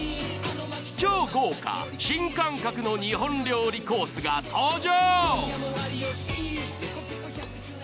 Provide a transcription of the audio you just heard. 超豪華新感覚の日本料理コースが登場。